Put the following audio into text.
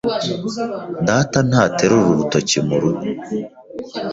Data ntaterura urutoki murugo.